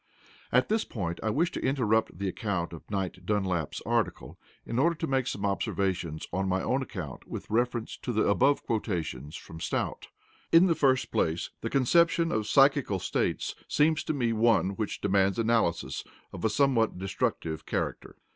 At this point I wish to interrupt the account of Knight Dunlap's article in order to make some observations on my own account with reference to the above quotations from Stout. In the first place, the conception of "psychical states" seems to me one which demands analysis of a somewhat destructive character.